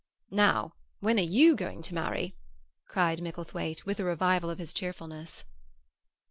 "Now, when are you going to marry?" cried Micklethwaite, with a revival of his cheerfulness.